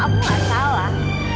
aku gak salah